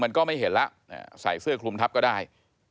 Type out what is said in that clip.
ก็ไม่เห็นแล้วใส่เสื้อคลุมทับก็ได้